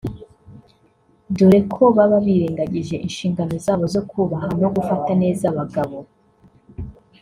dore ko baba birengagije inshingano zabo zo kubaha no gufata neza abagabo